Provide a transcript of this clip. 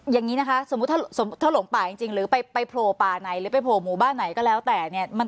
อย่างนี้นะคะสมมุติถ้าหลงป่าจริงหรือไปโผล่ป่าไหนหรือไปโผล่หมู่บ้านไหนก็แล้วแต่เนี่ย